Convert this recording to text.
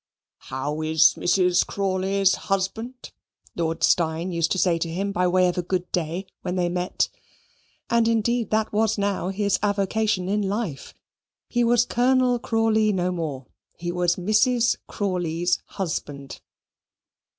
"How is Mrs. Crawley's husband?" Lord Steyne used to say to him by way of a good day when they met; and indeed that was now his avocation in life. He was Colonel Crawley no more. He was Mrs. Crawley's husband.